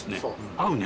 合うね。